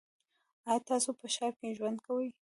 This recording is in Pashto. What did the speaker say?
ایا تاسو په ښار کې ژوند کوی؟